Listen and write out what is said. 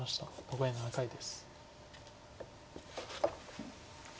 残り７回です。